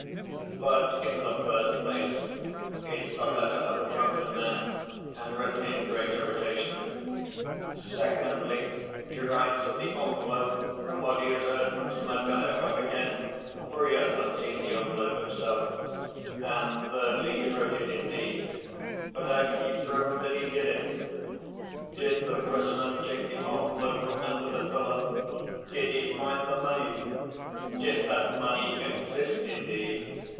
"But in the first place, it's the letter of a drunken man and written in great irritation; secondly, he writes of the envelope from what he has heard from Smerdyakov again, for he has not seen the envelope himself; and thirdly, he wrote it indeed, but how can you prove that he did it? Did the prisoner take the envelope from under the pillow, did he find the money, did that money exist indeed?